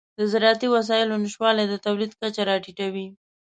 د زراعتي وسایلو نشتوالی د تولید کچه راټیټوي.